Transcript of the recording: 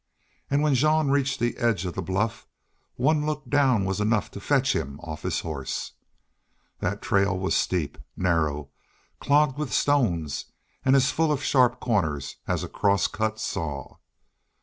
And when Jean reached the edge of the bluff one look down was enough to fetch him off his horse. That trail was steep, narrow, clogged with stones, and as full of sharp corners as a crosscut saw.